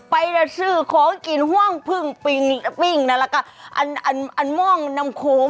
ไปติดสือของกินห้วงพึ่งปิ้งพิ้งน่าล่ะค่ะอันอัน